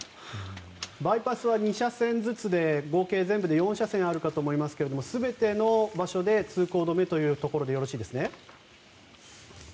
バイパスは２車線ずつで合計４車線あるかと思いますが全ての場所で通行止めということでよろしいですね？